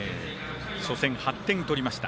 初戦は８点取りました。